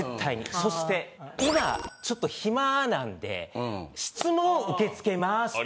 そして「今ちょっと暇なんで質問受け付けます」って。